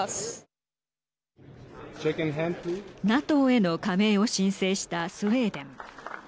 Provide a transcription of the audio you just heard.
ＮＡＴＯへの加盟を申請したスウェーデン。